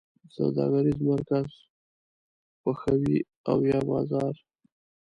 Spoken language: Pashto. سوداګریز مرکز خوښوی او یا بازار؟